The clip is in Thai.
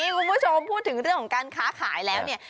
คุณผู้ชมพูดถึงเรื่องของการค้าขายแล้วเนี่ย